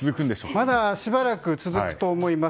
まだしばらく続くと思います。